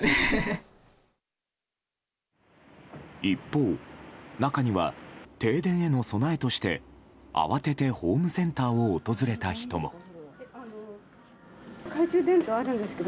一方中には停電への備えとして慌ててホームセンターを訪れた人も。